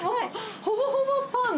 ほぼほぼパン？